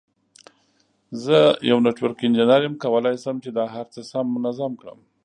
زه یو نټورک انجینیر یم، زه کولای شم چې دا هر څه سم منظم کړم.